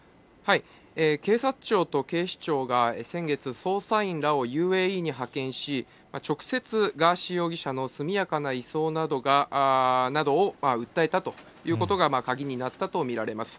警察庁と警視庁が先月、捜査員らをＵＡＥに派遣し、直接、ガーシー容疑者の速やかな移送などを訴えたということが、鍵になったと見られます。